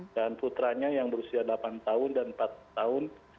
dan putranya yang berusia delapan tahun dan empat tahun